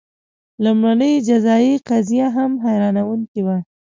لومړنۍ جزايي قضیه هم حیرانوونکې وه.